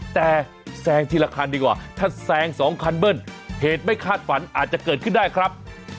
แต่แซงทีละคันดีกว่าถ้าแซงสองคันเบิ้ลเหตุไม่คาดฝันอาจจะเกิดขึ้นได้ครับ